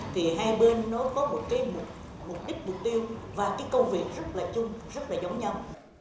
thì hai bên nó có một cái mục đích mục tiêu và cái công việc rất là chung rất là giống nhau